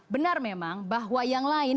benar memang bahwa yang lain